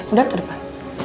udah tuh depan